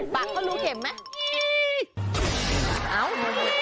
ปากเขารู้เข็มไหม